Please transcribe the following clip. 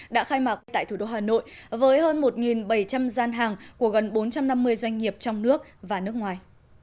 đã khai mạc tại thủ đô hà nội với hơn một bảy trăm linh gian hàng của gần bốn trăm năm mươi doanh nghiệp trong nước và nước ngoài